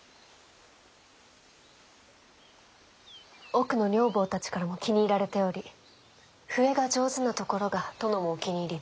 奥の女房たちからも気に入られており笛が上手なところが殿もお気に入りで。